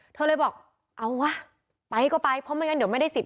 เธอเลยบอกเอาวะไปก็ไปเพราะไม่งั้นเดี๋ยวไม่ได้สิทธ